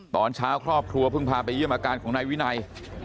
ตอนเช้าครอบครัวเพิ่งพาไปเยี่ยมอาการของนายวินัย